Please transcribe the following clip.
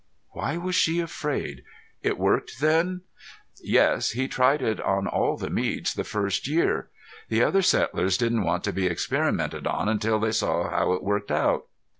Why was she afraid? "It worked then?" "Yes. He tried it on all the Meads the first year. The other settlers didn't want to be experimented on until they saw how it worked out.